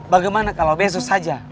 bagaimana kalau besok saja